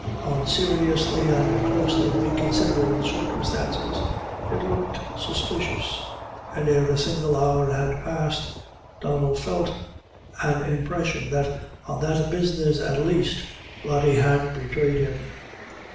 On seriously and closely reconsidering the circumstances, it looked suspicious, and ere a single hour had passed, Donnel felt and impression that, on that business at least, Rody had betrayed him.